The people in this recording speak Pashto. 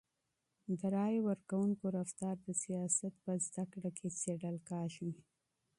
د رایي ورکوونکو رفتار د سیاست په علم کي څېړل کیږي.